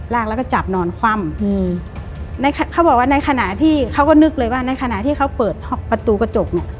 แล้วก็จับนอนคว่ำอืมในเขาบอกว่าในขณะที่เขาก็นึกเลยว่าในขณะที่เขาเปิดประตูกระจกเนี้ย